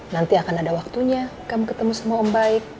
nanti akan ada waktunya kamu ketemu sama om baik